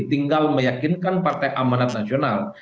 tinggal meyakinkan partai amanat nasional